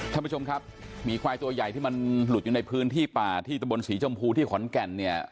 ท่านผู้ชมครับหมีควายตัวใหญ่ที่มันหลุดอยู่ในพื้นที่ป่าที่ตะบนศรีชมพูที่ขอนแก่นเนี่ย